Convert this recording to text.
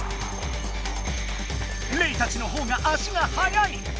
レイたちのほうが足が速い！